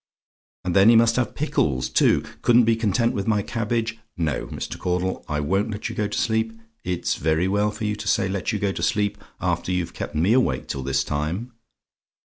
And then he must have pickles, too! Couldn't be content with my cabbage no, Mr. Caudle, I won't let you go to sleep. It's very well for you to say let you go to sleep, after you've kept me awake till this time.